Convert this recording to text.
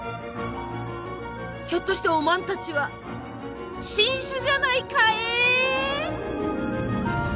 ひょっとしておまんたちは新種じゃないかえ？